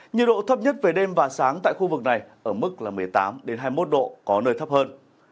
nhiệt độ thấp nhất về đêm và sáng tại khu vực này ở mức một mươi tám hai mươi một độ có nơi thấp hơn